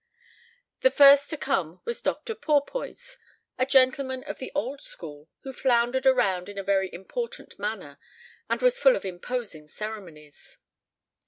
The first to come was Dr. Porpoise, a gentleman of the old school, who floundered around in a very important manner and was full of imposing ceremonies.